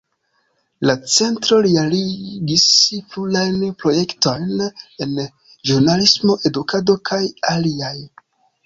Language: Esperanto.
La Centro realigis plurajn projektojn en ĵurnalismo, edukado kaj aliaj.